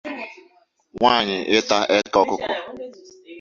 nwaanyị ịta eko ọkụkọ.